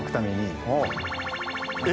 え？